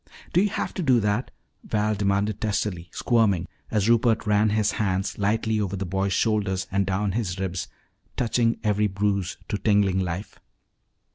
Do you have to do that?" Val demanded testily, squirming as Rupert ran his hands lightly over the boy's shoulders and down his ribs, touching every bruise to tingling life.